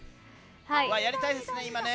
やりたいですね、今ね。